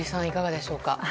いかがでしょうか？